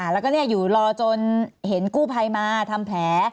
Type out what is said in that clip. แล้วก็อยู่รอจนเห็นกู้ภัยมาทำแผล